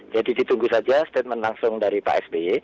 jadi ditunggu saja statement langsung dari pak sbe